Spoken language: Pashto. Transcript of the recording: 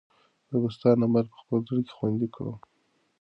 زه به ستا نمبر په خپل زړه کې خوندي کړم.